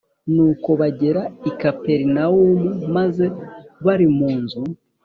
Nuko bagera i Kaperinawumu maze bari mu nzu